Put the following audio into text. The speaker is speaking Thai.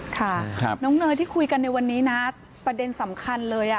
ค่ะน้องเนยที่คุยกันในวันนี้นะประเด็นสำคัญเลย